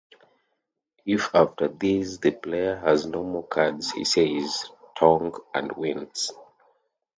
If after this the player has no more cards, he says, "tonk" and wins.